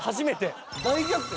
大逆転